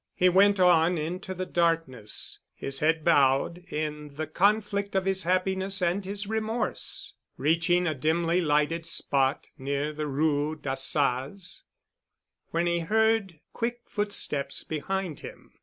He went on into the darkness, his head bowed, in the conflict of his happiness and his remorse, reaching a dimly lighted spot near the Rue d'Assas, when he heard quick footsteps behind him.